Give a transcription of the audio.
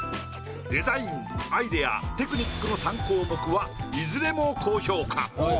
デザインアイデアテクニックの３項目はいずれも高評価。